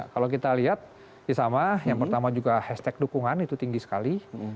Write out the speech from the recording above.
kalau kita lihat ya sama yang pertama juga hashtag dukungan itu tinggi sekali